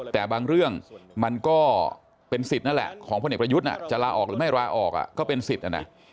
แต่บางเรื่องมันก็เป็นสิทธิ์นั่นแหละของพลเอกประยุทธ์จะลาออกหรือไม่ลาออกก็เป็นสิทธิ์นะนะ